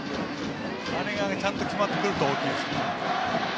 あれがちゃんと決まってくると落ち着くんですが。